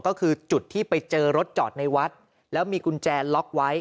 ก็คือจุดที่ไปเจอรถจอดในวัดแล้วมีกุญแจล็อกไว้